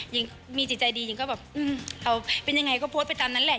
หญิงมีจิตใจดีหญิงก็แบบเอาเป็นยังไงก็โพสต์ไปตามนั้นแหละ